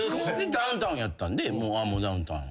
ダウンタウンやったんでもうダウンタウン。